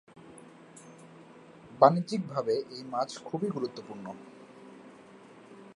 বাণিজ্যিকভাবে এই মাছ খুবই গুরুত্বপূর্ণ।